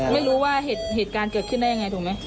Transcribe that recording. ไม่รู้ว่าเหตุการณ์เกิดขึ้นได้ยังไงถูกไหม